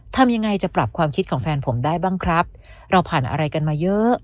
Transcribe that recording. ทำยังไงจะปรับความคิดของแฟนผมได้บ้างครับเราผ่านอะไรกันมาเยอะ